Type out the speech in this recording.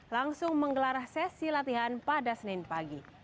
langsung menggelar sesi latihan pada senin pagi